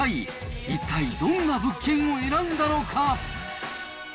一体どんな物件を選んだのか。